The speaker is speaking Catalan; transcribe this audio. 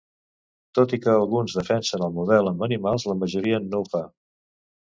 Tot i que alguns defensen el model amb animals, la majoria no ho fa.